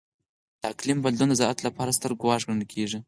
د اقلیم بدلون د زراعت لپاره ستر ګواښ ګڼل کېږي.